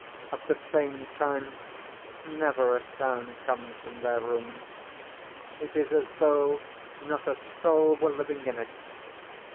At the same time, never a sound comes from their room. It is as though not a soul were living in it.